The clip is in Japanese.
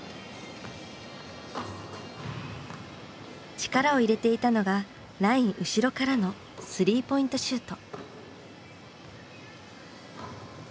力を入れていたのがライン後ろからの３ポイントシュート。